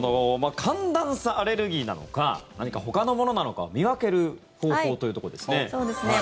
寒暖差アレルギーなのか何かほかのものなのかを見分ける方法ということですね。